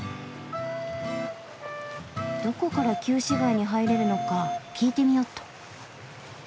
どこから旧市街に入れるのか聞いてみよっと。